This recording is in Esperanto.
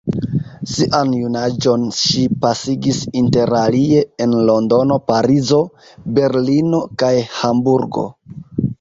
Sian junaĝon ŝi pasigis interalie en Londono, Parizo, Berlino kaj Hamburgo.